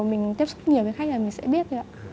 mình tiếp xúc nhiều với khách là mình sẽ biết